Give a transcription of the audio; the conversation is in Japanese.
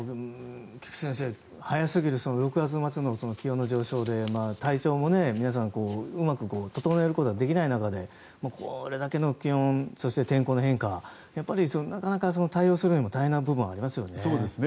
菊地先生早すぎる６月末の気温の上昇で、体調も皆さんうまく整えることができない中でこれだけの気温そして天候の変化なかなか対応するにも大変な部分がありますよね。